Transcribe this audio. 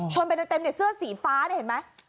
โชนเป็นเต็มในเสื้อสีฟ้าเนี่ยเห็นไหม